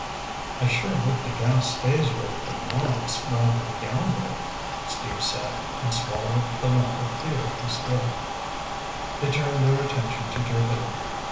"I sure hope the gas stays where it belongs while we're down there!" Steve said and swallowed the lump of fear in his throat. They turned their attention to Jupiter.